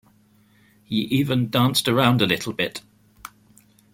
He even danced around a little bit